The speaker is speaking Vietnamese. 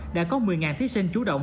đã có một mươi thí sinh chủ động